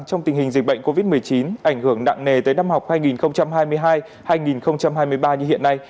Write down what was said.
trong tình hình dịch bệnh covid một mươi chín ảnh hưởng nặng nề tới năm học hai nghìn hai mươi hai hai nghìn hai mươi ba như hiện nay